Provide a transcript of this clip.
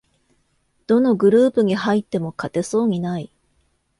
どのグループに入っても勝てそうにない